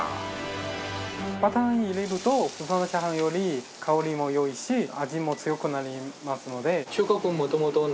バターを入れると普通のチャーハンより香りも良いし味も強くなりますので。